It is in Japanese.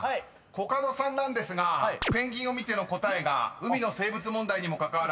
［コカドさんなんですが「ペンギン」を見ての答えが海の生物問題にもかかわらず「アヒル」でした］